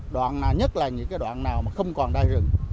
đoạn nào nhất là những cái đoạn nào mà không còn đai rừng